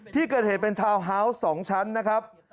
ที่เกิดเหตุเป็นทาวน์ฮาวส์๒ชั้นนะครับ